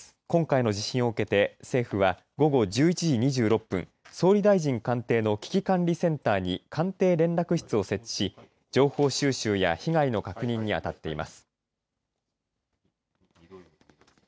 今回の地震を受けて政府は午後１１時２６分総理大臣官邸の危機管理センターに官邸連絡室を設置し情報収集や被害の確認にあたっています。